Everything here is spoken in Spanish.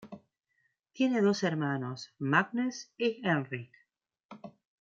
Tiene dos hermanos, Magnus y Henrik.